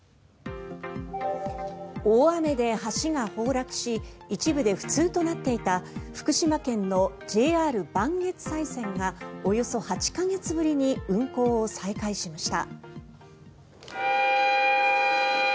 大雨で橋が崩落し一部で不通となっていた福島県のＪＲ磐越西線がおよそ８か月ぶりに運行を再開しました。